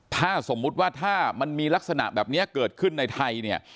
ถ้าสมมุติว่าถ้ามันมีลักษณะแบบนี้เกิดขึ้นในไทยเนี่ย